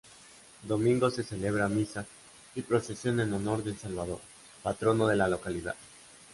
Domingo se celebra misa y procesión en honor del Salvador, patrono de la localidad.